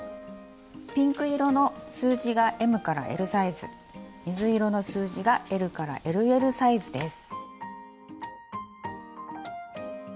ピンク色の数字がＭＬサイズ水色の数字がＬＬＬサイズです。